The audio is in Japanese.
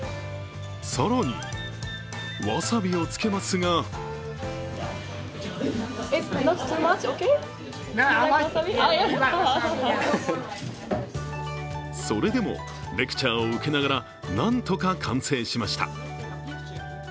更にわさびをつけますがそれでもレクチャーを受けながら、なんとか完成しました。